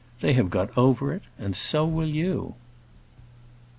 They have got over it, and so will you."